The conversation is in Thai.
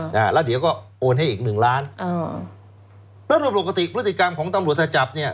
อ่าแล้วเดี๋ยวก็โอนให้อีกหนึ่งล้านอ่าแล้วรวมปกติพฤติกรรมของตำรวจถ้าจับเนี้ย